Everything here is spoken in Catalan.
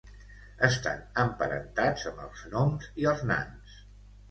Estan emparentats amb els gnoms i els nans.